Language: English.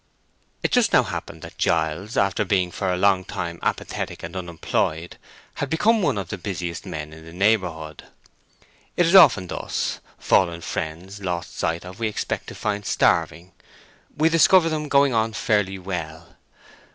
It just now happened that Giles, after being for a long time apathetic and unemployed, had become one of the busiest men in the neighborhood. It is often thus; fallen friends, lost sight of, we expect to find starving; we discover them going on fairly well.